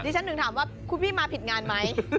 เดี๋ยวฉันถึงถามว่าคุณพี่มาผิดงานมั้ย